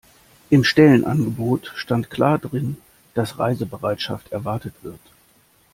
Im Stellenangebot stand klar drin, dass Reisebereitschaft erwartet wird.